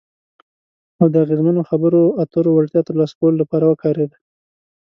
او د اغیزمنو خبرو اترو وړتیا ترلاسه کولو لپاره وکارېده.